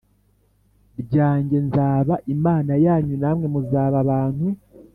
ryanjye nzaba Imana yanyu namwe muzaba abantu